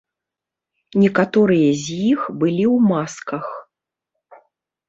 Некаторыя з іх былі ў масках.